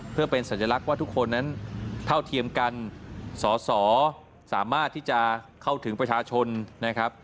เพื่อเป็นสัญลักษณ์ว่าทุกคนนั้นเท่าเทียมกันสอสอสามารถที่จะเข้าถึงประชาชนนะครับ